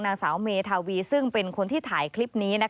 นางสาวเมธาวีซึ่งเป็นคนที่ถ่ายคลิปนี้